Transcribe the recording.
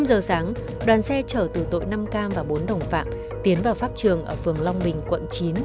năm giờ sáng đoàn xe chở từ tội năm k và bốn đồng phạm tiến vào pháp trường ở phường long bình quận chín